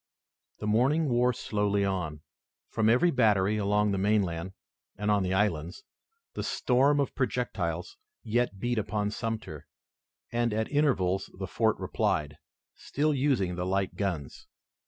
The morning wore slowly on. From every battery along the mainland and on the islands, the storm of projectiles yet beat upon Sumter, and, at intervals, the fort replied, still using the light guns.